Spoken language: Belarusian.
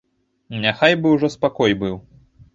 Няхай бы ўжо спакой быў.